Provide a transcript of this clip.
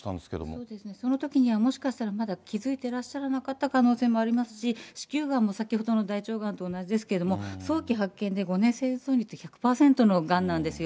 そうですね、そのときにはもしかしたら、まだ気付いていらっしゃらなかった可能性もありますし、子宮がんも先ほどの大腸がんと同じですけど、早期発見で５年生存率１００％のがんなんですよ。